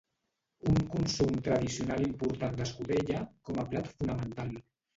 Un consum tradicional important d'escudella com a plat fonamental